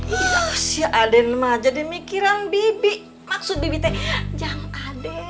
ya si aden aja deh mikiran bibi maksud bibi teh jangan aden